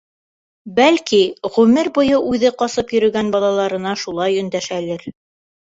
Бәлки, ғүмер буйы үҙе ҡасып йөрөгән балаларына шулай өндәшәлер.